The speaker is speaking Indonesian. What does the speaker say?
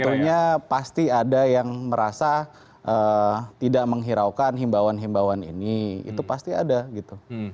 tentunya pasti ada yang merasa tidak menghiraukan himbauan himbauan ini itu pasti ada gitu